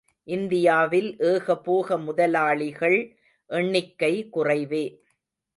இந்தியாவில் ஏகபோக முதலாளிகள் எண்ணிக்கை குறைவே.